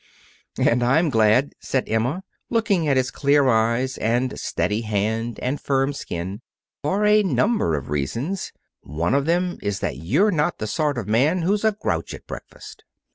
"And I'm glad," said Emma, looking at his clear eyes and steady hand and firm skin, "for a number of reasons. One of them is that you're not the sort of man who's a grouch at breakfast."